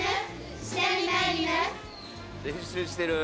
練習してる。